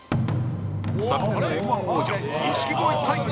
昨年の Ｍ−１ 王者錦鯉対決